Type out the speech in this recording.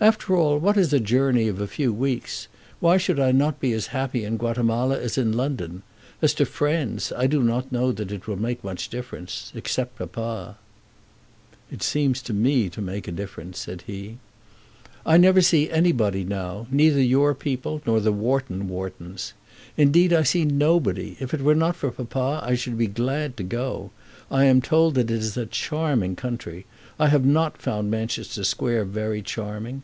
"After all, what is a journey of a few weeks? Why should I not be as happy in Guatemala as in London? As to friends, I do not know that it will make much difference, except papa." "It seems to me to make a difference," said he. "I never see anybody now, neither your people, nor the Wharton Whartons. Indeed, I see nobody. If it were not for papa I should be glad to go. I am told that it is a charming country. I have not found Manchester Square very charming.